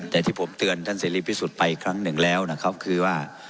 แต่ที่ผมเตือนท่านเสรีพิสุทธิ์ไปครั้งหนึ่งแล้วนะครับคือว่า